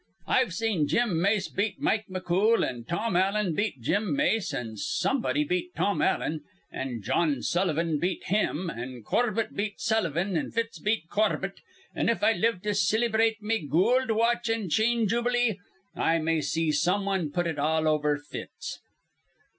I've seen Jim Mace beat Mike McCool, an' Tom Allen beat Jim Mace, an' somebody beat Tom Allen, an' Jawn Sullivan beat him, an' Corbett beat Sullivan, an' Fitz beat Corbett; an', if I live to cillybrate me goold watch an' chain jubilee, I may see some wan put it all over Fitz.